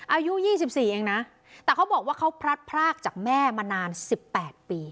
อายุยี่สิบสี่เองนะแต่เขาบอกว่าเขาพลัดพลากจากแม่มานานสิบแปดปี